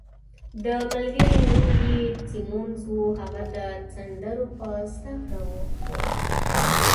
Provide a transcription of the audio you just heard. د ملګري نوم یې سیمونز وو، هغه د سندرو په زده کړه بوخت وو.